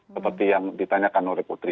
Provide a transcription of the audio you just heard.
seperti yang ditanyakan oleh putri